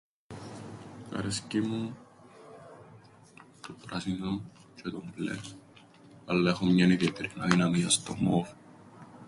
Αρέσκει μου το πράσινον τζ̆αι το μπλε, αλλά έχω μιαν ιδιαίτερην αδυναμίαν στο μοβ.